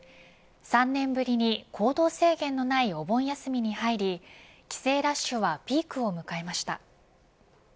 ３年ぶりに行動制限のないお盆休みに入り帰省ラッシュはピークを迎えました。